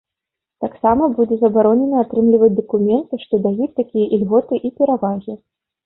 Таксама будзе забаронена атрымліваць дакументы, што даюць такія ільготы і перавагі.